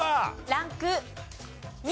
ランク２。